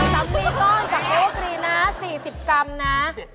ซ้ำมีกล้องจากโอเคนะ๔๐กรัมนะ